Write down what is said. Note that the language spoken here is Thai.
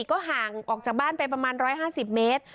ก็ห่างออกจากบ้านไปประมาณ๑๕๐เมตร